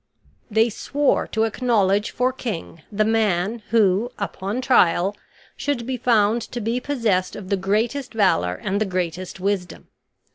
They swore to acknowledge for king the man who, upon trial, should be found to be possessed of the greatest valor and the greatest wisdom.